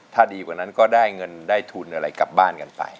ถ้าดีกว่านั้นก็ได้เงินได้ทุนอะไรกลับบ้านกันไป